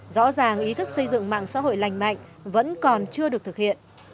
rõ ràng ý thức xây dựng mạng xã hội lành mạnh vẫn còn chưa được thực hiện